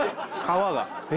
皮が。